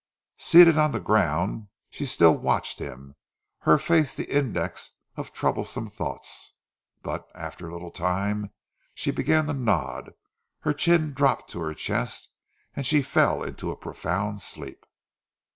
Seated on the ground, she still watched him, her face the index of troublesome thoughts; but after a little time, she began to nod, her chin dropped to her chest, and she fell into a profound sleep.